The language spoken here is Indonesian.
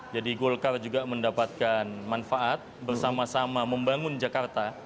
jadi gulkar juga mendapatkan manfaat bersama sama membangun jakarta